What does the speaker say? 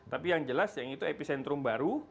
tapi yang jelas yang itu epicentrum baru